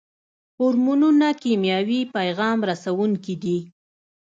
هورمونونه کیمیاوي پیغام رسوونکي دي